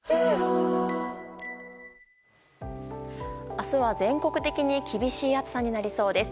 明日は、全国的に厳しい暑さになりそうです。